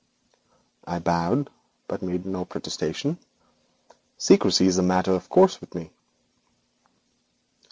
I bowed, but made no protestation. Secrecy is a matter of course with me.